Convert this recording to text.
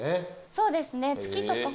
そうですね。